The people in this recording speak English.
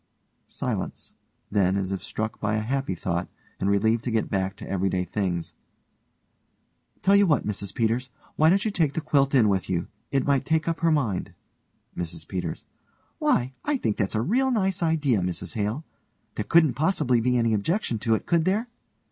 (silence; then as if struck by a happy thought and relieved to get back to everyday things) Tell you what, Mrs Peters, why don't you take the quilt in with you? It might take up her mind. MRS PETERS: Why, I think that's a real nice idea, Mrs Hale. There couldn't possibly be any objection to it, could there?